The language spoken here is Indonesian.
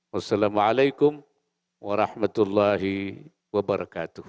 wassalamu'alaikum warahmatullahi wabarakatuh